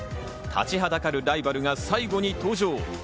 立ちはだかるライバルが最後に登場。